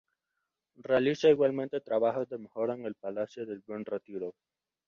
Realiza igualmente trabajos de mejora en el Palacio del Buen Retiro.